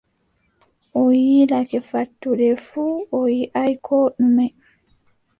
O yiilake fattude fuu, o yiʼaay koo ɗume!